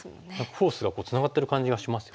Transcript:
フォースがツナがってる感じがしますよね。